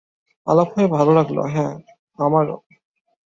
আলাপ হয়ে ভালো লাগলো হ্যাঁ, আমারও।